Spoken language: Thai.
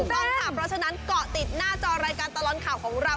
ต้องค่ะเพราะฉะนั้นเกาะติดหน้าจอรายการตลอดข่าวของเรา